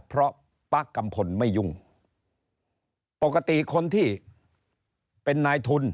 เพราะป๊ากัมพลไม่ยุ่งปกติคนที่เป็นนายทุน